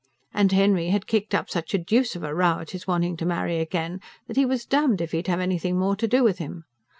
And Henry had kicked up such a deuce of a row at his wanting to marry again, that he was damned if he'd have anything more to do with him.